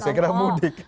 saya kira mudik